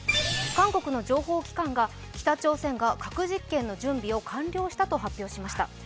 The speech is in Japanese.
韓国の情報機関が北朝鮮が核実験の準備を完了したと発表しました。